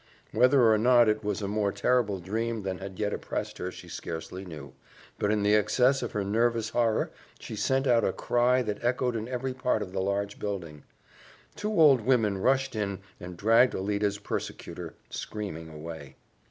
Whether or not it was a more terrible dream than had yet oppressed her, she scarcely knew, but in the excess of her nervous horror she sent out a cry that echoed in every part of the large building. Two old women rushed in and dragged Alida's persecutor screaming away.